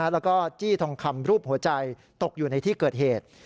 แล้วก็จี้ทองคำรูปหัวใจตกอยู่ในที่เกิดเหตุ